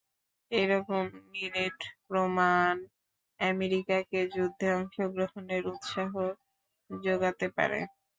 এরকম নিরেট প্রমাণ আমেরিকাকে যুদ্ধে অংশগ্রহণের উৎসাহ জোগাতে পারে।